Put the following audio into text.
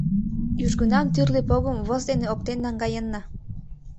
Южгунам тӱрлӧ погым воз дене оптен наҥгаенна.